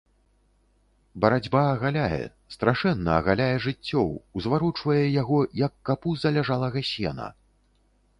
Барацьба агаляе, страшэнна агаляе жыццё, узварочвае яго, як капу заляжалага сена.